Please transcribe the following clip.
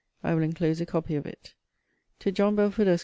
I will enclose a copy of it. TO JOHN BELFORD, ESQ.